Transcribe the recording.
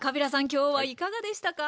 今日はいかがでしたか？